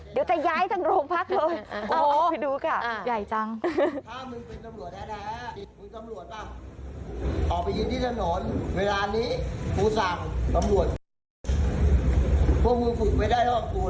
เดี๋ยวจะย้ายทางโรงพักษณ์เลย